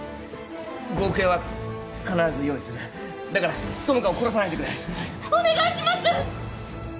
５億円は必ず用意するだから友果を殺さないでくれお願いします！